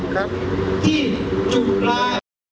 ครับ